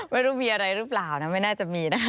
ไม่รู้มีอะไรหรือเปล่านะไม่น่าจะมีนะคะ